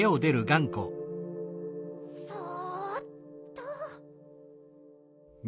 そっと。